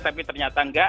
tapi ternyata nggak